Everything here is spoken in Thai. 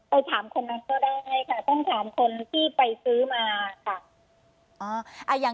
ไปถามคนนั้นก็ได้ค่ะต้องถามคนที่ไปซื้อมาค่ะ